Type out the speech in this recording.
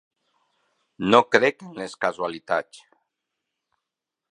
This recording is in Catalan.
No crec en les casualitats.